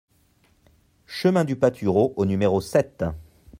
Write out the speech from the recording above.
Chemin du Patureau au numéro sept